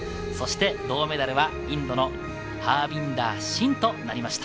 銅メダルはインドのハービンダー・シンとなりました。